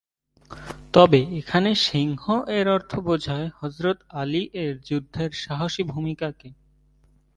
তবে এখানে "সিংহ" এর অর্থ বোষায় হযরত আলী এর যুদ্ধের সাহসী ভূমিকাকে।